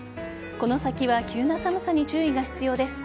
この先は急な寒さに注意が必要です。